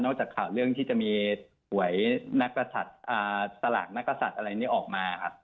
จากข่าวเรื่องที่จะมีหวยนักกษัตริย์สลากนักกษัตริย์อะไรนี้ออกมาครับ